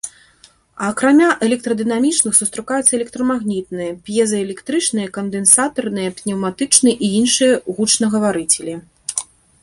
Акрамя электрадынамічных, сустракаюцца электрамагнітныя, п'езаэлектрычныя, кандэнсатарныя, пнеўматычныя і іншыя гучнагаварыцелі.